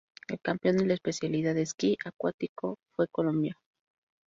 El campeón de la especialidad Esquí acuático fue Colombia.